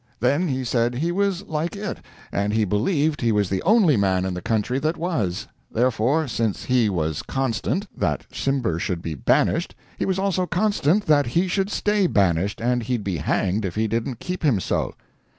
Then he said he was like it, and he believed he was the only man in the country that was; therefore, since he was "constant" that Cimber should be banished, he was also "constant" that he should stay banished, and he'd be hanged if he didn't keep him so!